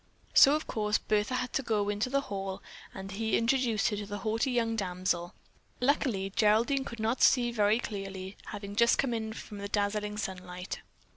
So of course Bertha had to go into the hall and he introduced her to the haughty young damsel. Luckily, Geraldine could not see very clearly, having just come in from the dazzling sunlight.